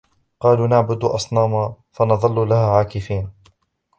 قالوا نعبد أصناما فنظل لها عاكفين